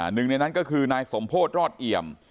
หนึ่งในนั้นก็คือนายสมโพธิรอดเอี่ยม